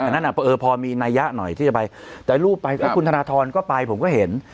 อันนั้นพอมีนัยยะหน่อยที่จะไปแต่รูปไปแล้วคุณธนทรก็ไปผมก็เห็น